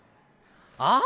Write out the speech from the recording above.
ああ！